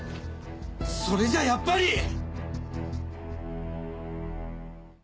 それじゃやっぱり。